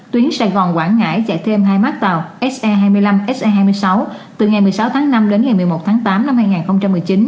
tuyến sài gòn quảng ngãi chạy thêm hai mác tàu se hai mươi năm se hai mươi sáu từ ngày một mươi sáu tháng năm đến ngày một mươi một tháng tám năm hai nghìn một mươi chín